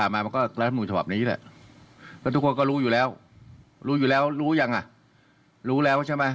แล้วทุกคนก็รู้อยู่แล้วรู้อยู่แล้วรู้อย่างไรรู้แล้วใช่ไหม